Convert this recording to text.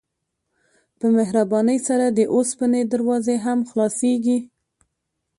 په مهربانۍ سره د اوسپنې دروازې هم خلاصیږي.